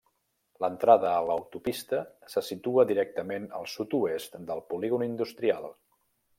L'entrada a l'autopista se situa directament al sud-oest del polígon industrial.